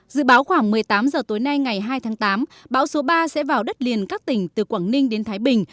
dự báo khoảng một mươi tám h tối nay ngày hai tháng tám bão số ba sẽ vào đất liền các tỉnh từ quảng ninh đến thái bình